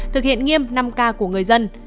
thực hiện nghiêm năm k của người dân